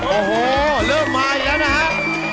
โอ้โหเริ่มมาอีกแล้วนะครับ